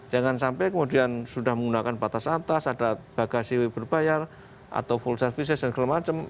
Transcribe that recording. jangan sampai kemudian sudah menggunakan batas atas ada bagasi berbayar atau full services dan segala macam